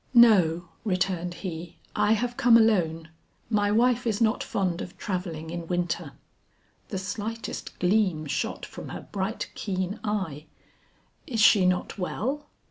"No," returned he, "I have come alone; my wife is not fond of travelling in winter." The slightest gleam shot from her bright keen eye. "Is she not well?"